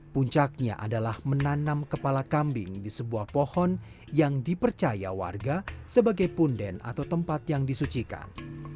puncaknya adalah menanam kepala kambing di sebuah pohon yang dipercaya warga sebagai punden atau tempat yang disucikan